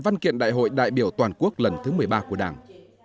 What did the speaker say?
văn kiện đại hội đại biểu toàn quốc lần thứ một mươi ba của đảng